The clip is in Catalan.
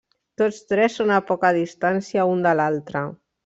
Tots tres són a poca distància un de l'altre.